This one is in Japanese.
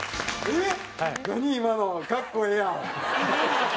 えっ？